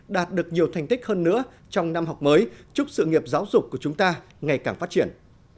đạt được nhiều thành tích hơn nữa trong năm học mới chúc sự nghiệp giáo dục của chúng ta ngày càng phát triển